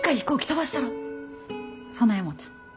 そない思た。